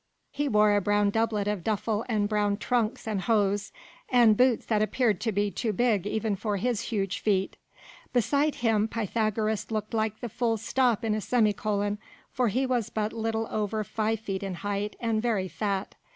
He wore a brown doublet of duffle and brown trunks and hose, and boots that appeared to be too big even for his huge feet. Beside him Pythagoras looked like the full stop in a semi colon, for he was but little over five feet in height and very fat.